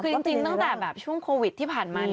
คือจริงตั้งแต่ช่วงโควิดที่ผ่านมา